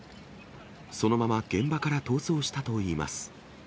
そのまま現場から逃走したといいます。